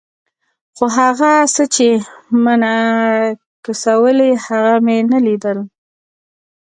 خو هغه څه چې منعکسول یې، هغه مې نه لیدل.